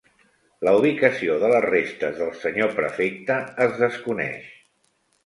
La ubicació de les restes del senyor Prefecte es desconeix.